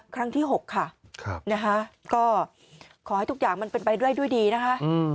ครั้งที่๖ค่ะนะคะก็ขอให้ทุกอย่างมันเป็นไปด้วยดีนะคะ